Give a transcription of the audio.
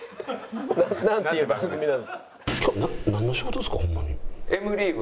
「なんていう番組なんですか？」。